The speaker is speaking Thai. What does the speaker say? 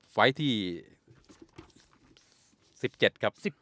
ไฟล์ที่๑๗ครับ